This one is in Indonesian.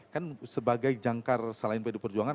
kan sebagai jangkar selain pd perjuangan